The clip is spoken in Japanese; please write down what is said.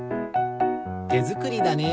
てづくりだね。